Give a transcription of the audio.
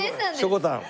しょこたん。